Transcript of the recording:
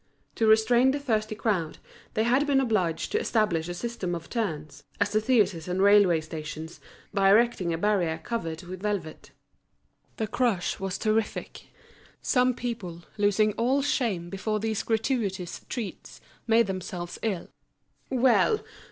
To restrain the thirsty crowd, they had been obliged to establish a system of turns, as at theatres and railway stations, by erecting a barrier covered with velvet. The crush was terrific. Some people, losing all shame before these gratuitous treats, made themselves ill. "Well!